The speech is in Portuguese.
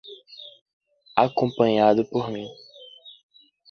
Acompanhado por mim